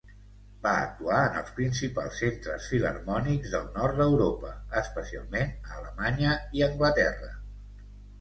Va actuar en els principals centres filharmònics del nord d'Europa, especialment a Alemanya i Anglaterra.